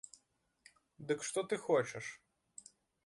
Дык што ты хочаш?